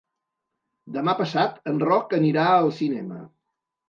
Demà passat en Roc anirà al cinema.